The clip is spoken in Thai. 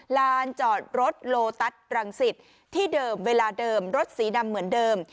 ลานจอดรถโลตัสรังสิตที่เดิมเวลาเดิมรถสีดำเหมือนเดิม